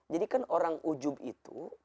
jadi kan orang ujum itu